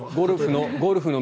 ゴルフの。